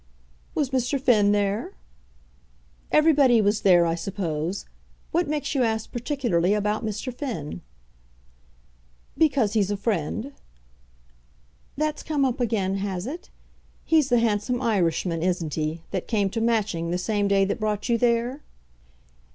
"Was Mr. Finn there?" "Everybody was there, I suppose. What makes you ask particularly about Mr. Finn?" "Because he's a friend." "That's come up again, has it? He's the handsome Irishman, isn't he, that came to Matching, the same day that brought you there?"